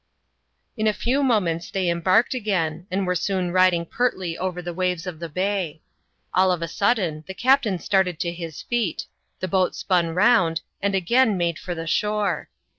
In a few moments they embarked again, and were soon riding pertly over the waves of the bay. All of a sudden the captain started to his feet — the boat spun roimd, and again made for the shore.